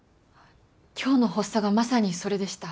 今日の発作がまさにそれでした。